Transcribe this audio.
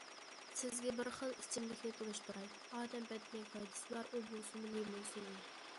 سىزگە بىر خىل ئىچىملىكنى تونۇشتۇراي، ئادەم بەدىنىگە پايدىسى بار، ئۇ بولسىمۇ لىمون سۈيى.